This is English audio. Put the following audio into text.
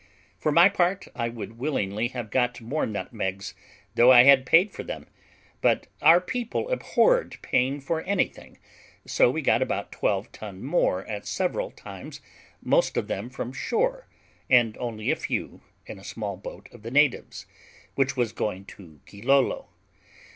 For my part, I would willingly have got more nutmegs, though I had paid for them, but our people abhorred paying for anything; so we got about twelve ton more at several times, most of them from shore, and only a few in a small boat of the natives, which was going to Gilolo.